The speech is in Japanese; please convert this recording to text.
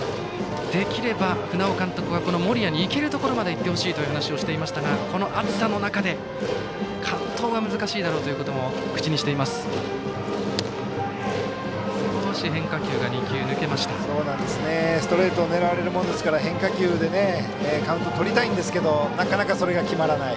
できれば船尾監督は森谷に行けるところまで行ってほしいという話をしていましたがこの暑さの中で完投は難しいだろうということもストレートを狙われるものだから変化球でカウントをとりたいんですがなかなかそれが決まらない。